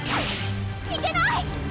いけない！